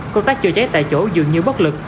công tác chữa cháy tại chỗ dường như bất lực